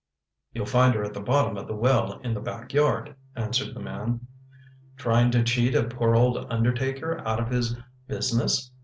" You'll find her at the bottom of the well in the back yard/' answered the man. "Trying to cheat a poor old undertaker out of his business!